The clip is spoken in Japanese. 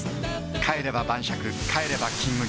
帰れば晩酌帰れば「金麦」